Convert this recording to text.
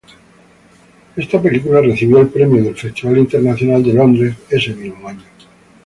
Esta película recibió el premio del Festival Internacional de Londres ese mismo año.